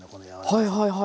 はいはいはい。